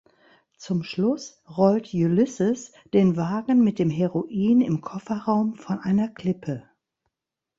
Zum Schluss rollt Ulysses den Wagen mit dem Heroin im Kofferraum von einer Klippe.